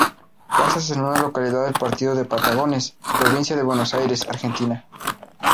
Casas es una localidad del Partido de Patagones, Provincia de Buenos Aires, Argentina.